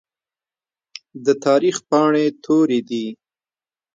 د تاريخ پاڼې تورې دي.